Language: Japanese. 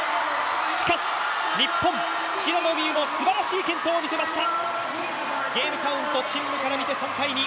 しかし、日本、平野美宇もすばらしい健闘を見せました。